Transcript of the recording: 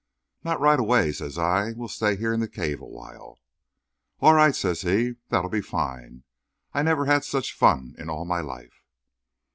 "Not right away," says I. "We'll stay here in the cave a while." "All right!" says he. "That'll be fine. I never had such fun in all my life."